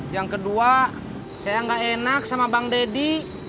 yang kedua saya gak enak sama bang deddy